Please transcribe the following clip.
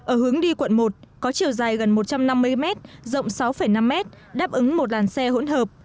ở hướng đi quận một có chiều dài gần một trăm năm mươi m rộng sáu năm m đáp ứng một làn xe hỗn hợp